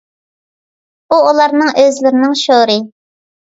بۇ ئۇلارنىڭ ئۆزلىرىنىڭ شورى.